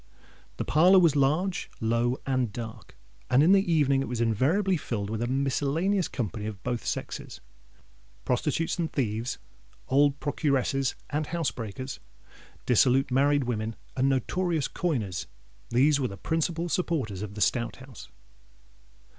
The parlour was large, low, and dark; and in the evening it was invariably filled with a miscellaneous company of both sexes. Prostitutes and thieves—old procuresses and housebreakers—dissolute married women, and notorious coiners,—these were the principal supporters of the Stout House.